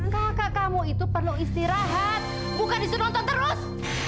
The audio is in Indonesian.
kakak kamu itu perlu istirahat bukan disuruh nonton terus